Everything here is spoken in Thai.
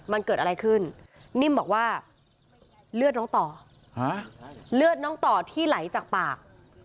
มันเกิดอะไรขึ้นนิ่มบอกว่าเลือดน้องต่อเลือดน้องต่อที่ไหลจากปาก